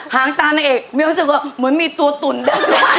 ห้างตานักเอกมีความรู้สึกว่าเหมือนมีตัวตุ่นเดิม